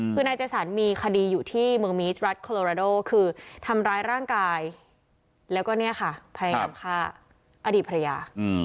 คือนายเจสันมีคดีอยู่ที่เมืองมีสรัฐโคโลราโดคือทำร้ายร่างกายแล้วก็เนี่ยค่ะพยายามฆ่าอดีตภรรยา